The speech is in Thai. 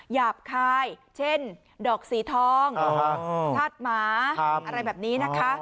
หยาบคายเช่นดอกสีทองธาตุหมาอะไรแบบนี้นะคะ